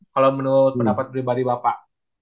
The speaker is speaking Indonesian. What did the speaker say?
kalau menurut pendapat pribadi bapak